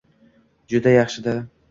Juda yaxshida!